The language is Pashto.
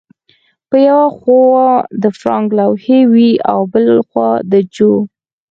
په یوه خوا د فرانک لوحې وې او بل خوا د جو